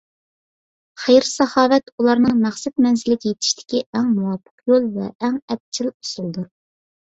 خەير - ساخاۋەت ئۇلارنىڭ مەقسەت مەنزىلىگە يېتىشتىكى ئەڭ مۇۋاپىق يول ۋە ئەڭ ئەپچىل ئۇسۇلدۇر.